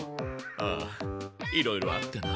ああいろいろあってな。